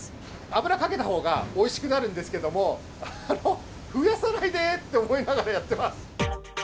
脂かけたほうがおいしくなるんですけども、増やさないでって思いながらやってます。